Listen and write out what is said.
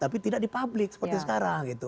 tapi tidak di publik seperti sekarang gitu